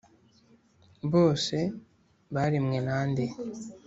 bose baremwe na nde?